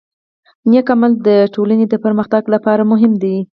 نیک عمل د ټولنې د پرمختګ لپاره مهم دی.